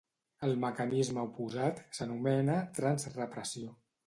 El mecanisme oposat s'anomena transrepressió.